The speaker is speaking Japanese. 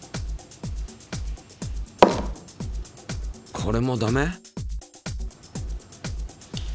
これもダメ？